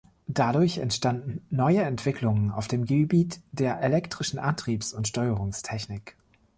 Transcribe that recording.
Dadurch entstanden neue Entwicklungen auf dem Gebiet der elektrischen Antriebs- und Steuerungstechnik.